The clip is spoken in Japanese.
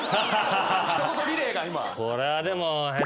一言リレーが今。